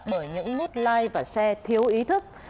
bởi những ngút like và share thiếu ý thức